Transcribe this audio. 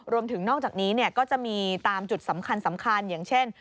รวมถึงนอกจากนี้ก็จะมีตามจุดสำคัญอย่างเช่น